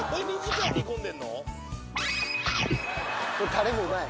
タレもうまい？